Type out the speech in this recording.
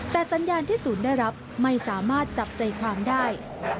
แต่สัญญาณที่ศูนย์ได้รับไม่สามารถจับใจความได้